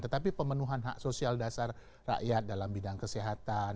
tetapi pemenuhan hak sosial dasar rakyat dalam bidang kesehatan